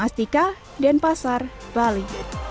astika dan pasar bali